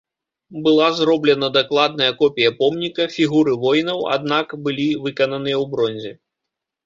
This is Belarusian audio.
Была зробленая дакладная копія помніка, фігуры воінаў, аднак, былі выкананыя ў бронзе.